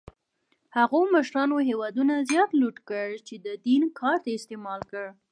هغو مشرانو هېواد زیات لوټ کړ چې د دین کارت یې استعمال کړ.